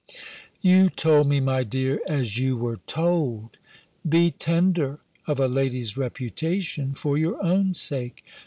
"You told me, my dear, as you were told. Be tender of a lady's reputation for your own sake.